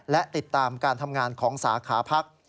และติดตามการทำงานของสาขาพัก